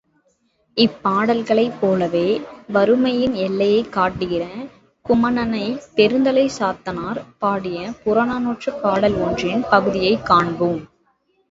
இப்பாடல்களைப் போலவே வறுமையின் எல்லையைக் காட்டுகிற குமணனைப் பெருந்தலைச் சாத்தனார் பாடிய புறநானூற்றுப் பாடல் ஒன்றின் பகுதியைக் காண்போம்.